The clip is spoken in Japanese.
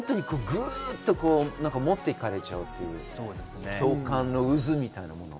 グッと持って行かれちゃうという、共感の渦みたいなもの。